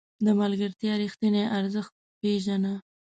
د ملګرتیا رښتیني ارزښت پېژنه.